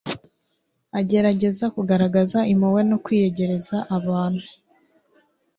agerageza kugaragaza impuhwe no kwiyegereza abantu